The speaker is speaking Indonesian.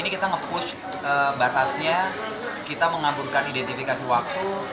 kita nge push batasnya kita mengaburkan identifikasi waktu